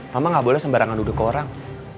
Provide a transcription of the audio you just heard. mama gak boleh sembarangan duduk ke orang